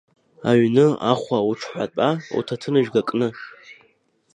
Аҩны ахәа уҽҳәатәа, уҭаҭынжәга кны.